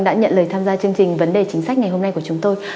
đã nhận lời tham gia chương trình vấn đề chính sách ngày hôm nay của chúng tôi